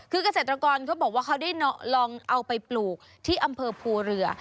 คือเกษตรกรเขาบอกว่าเขาได้ลองเอาไปปลูกที่อำเภอภูเรือ